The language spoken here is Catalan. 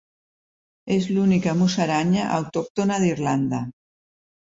És l'única musaranya autòctona d'Irlanda.